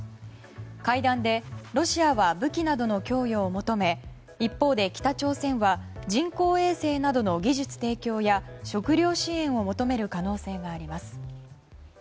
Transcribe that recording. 会談で、ロシアは武器などの供与を求め一方で、北朝鮮は人工衛星などの技術提供や食糧支援を求める可能性があります。